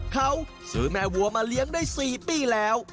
เขาซื้อแม่วัวมาเลี้ยงได้๔ปีแล้ว